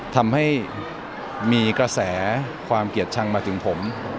ทำให้มีกระแสความเกลียดชังมาถึงผม